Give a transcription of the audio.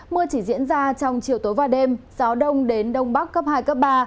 mưa chỉ diễn ra trong chiều tối và đêm gió đông đến đông bắc cấp hai cấp ba